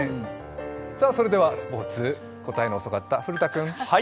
それではスポーツ、答えの遅かった古田君。